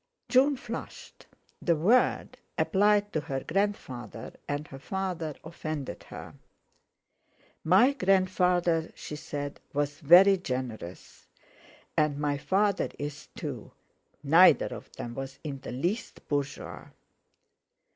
June flushed. The word applied to her grandfather and father offended her. "My grandfather," she said, "was very generous, and my father is, too; neither of them was in the least bourgeois."